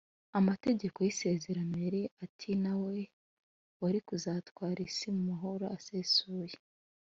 Amategeko y isezerano yari atina we wari kuzatwara isi mu mahoro asesuye